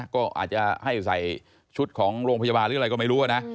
ก็อาจจะให้ใส่ชุดของโรงพยาบาลหรืออะไรก็ไม่รู้นะ